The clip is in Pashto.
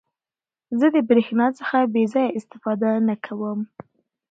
زه د برېښنا څخه بې ځایه استفاده نه کوم.